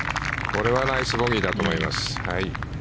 これはナイスボギーだと思います。